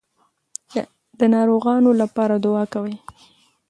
د ناروغانو لپاره دعا کوئ.